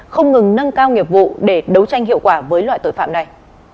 không ngừng nâng cao nghiệp vụ để đấu tranh hiệu quả với loại tội phạm này